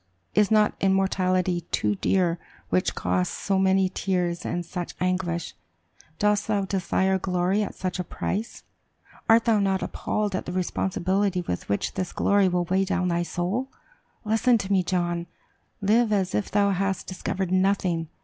Is not immortality too dear which costs so many tears and such anguish? Dost thou desire glory at such a price? Art thou not appalled at the responsibility with which this glory will weigh down thy soul? Listen to me, John: live as if thou hadst discovered nothing.